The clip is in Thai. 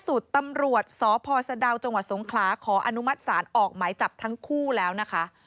ถูกตำรวจศพสะดาวจสงคราขออนุมัติศาลออกไหมจับทั้งคู่แล้วนะคะ